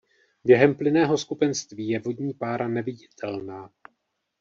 Během plynného skupenství je vodní pára neviditelná.